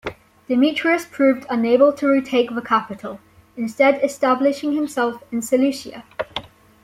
Demetrius proved unable to retake the capital, instead establishing himself in Seleucia.